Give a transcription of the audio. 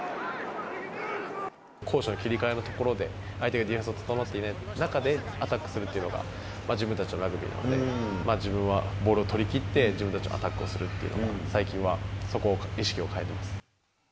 攻守の切り替えのところで、相手がディフェンスが整っていない中で、アタックするというのが自分たちのラグビーなので、自分はボールを取りきって、自分たちがアタックをするっていうのが、最近はそこを意識を変えてます。